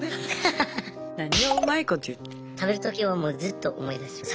食べる時はずっと思い出します